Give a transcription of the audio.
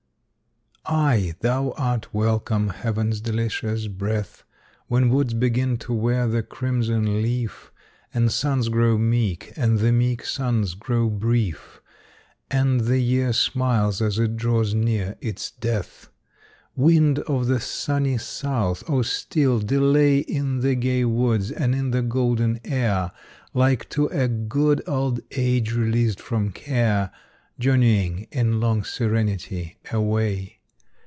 Ay, thou art welcome, heaven's delicious breath, When woods begin to wear the crimson leaf, And suns grow meek, and the meek suns grow brief, And the year smiles as it draws near its death. Wind of the sunny south! oh still delay In the gay woods and in the golden air, Like to a good old age released from care, Journeying, in long serenity, away.